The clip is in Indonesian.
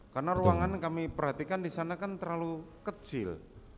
karena ruangan kami perhatikan di sana kan terlalu kecil